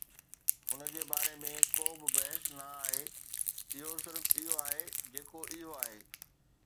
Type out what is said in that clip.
ان جي باري ۾ ڪو به بحث نه آهي، اهو صرف اهو آهي جيڪو اهو آهي.